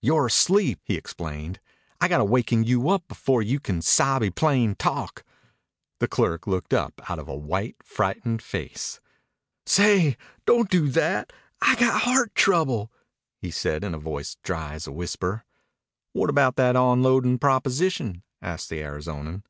"You're asleep," he explained. "I got to waken you up before you can sabe plain talk." The clerk looked up out of a white, frightened face. "Say, don't do that. I got heart trouble," he said in a voice dry as a whisper. "What about that onloadin' proposition?" asked the Arizonan.